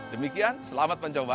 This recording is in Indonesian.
demikian selamat mencoba